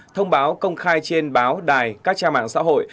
thông báo công khai trên báo đài các trang mạng xã hội